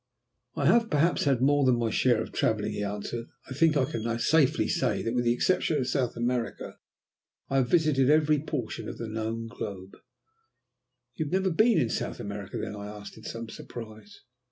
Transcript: "I have perhaps had more than my share of travelling," he answered. "I think I can safely say that, with the exception of South America, I have visited every portion of the known globe." "You have never been in South America then?" I asked in some surprise.